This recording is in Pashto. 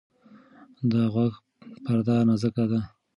د غوږ پرده نازکه ده.